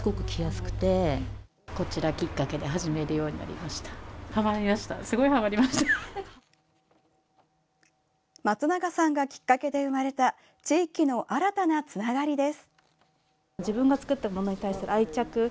まつながさんがきっかけで生まれた地域の新たなつながりです。